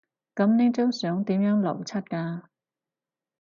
噉呢張相點樣流出㗎？